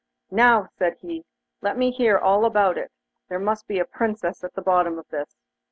'Now,' said he, 'let me hear all about it. There must be a Princess at the bottom of this.